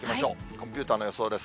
コンピューターの予想です。